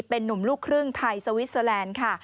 เป็นนุ่มลูกครึ่งไทยสวิสเตอร์แลนด์ค่ะ